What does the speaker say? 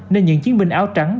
nên những chiến binh áo trắng